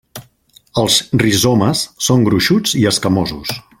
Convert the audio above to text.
Els rizomes són gruixuts i escamosos.